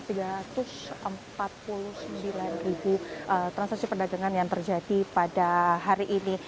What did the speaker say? dan di level enam lima ratus sembilan transaksi perdagangan yang terjadi pada hari ini